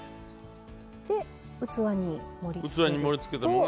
で器に盛りつけると。